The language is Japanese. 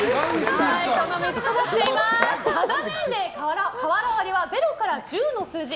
肌年齢から瓦割りは０から１０の数字